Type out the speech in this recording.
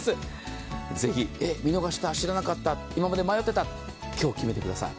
ぜひ、見逃した、知らなかった、今まで迷ってた今日決めてください。